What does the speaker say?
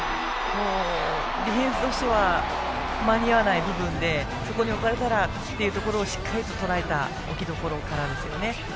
ディフェンスとしては間に合わない部分でそこに置かれたらというところをしっかりととらえた置きどころからですよね。